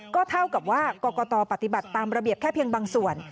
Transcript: ก็เท่ากับว่ากรกตปฏิบัติตามระเบียบแค่เพียงบางส่วน